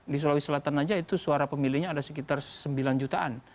di sulawesi selatan saja itu suara pemilihnya ada sekitar sembilan jutaan